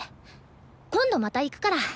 今度また行くから。